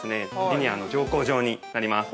リニアの乗降場になります。